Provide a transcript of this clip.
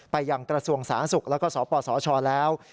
ไปยังกระทรวงสาธารณสุขแล้วก็สปสชแล้ว